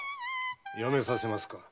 やめさせますか？